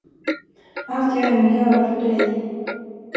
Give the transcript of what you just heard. Allt jag ännu gör för dig.